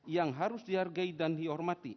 yang harus dihargai dan dihormati